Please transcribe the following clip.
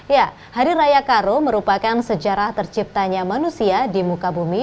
ya hari raya karo merupakan sejarah terciptanya manusia di muka bumi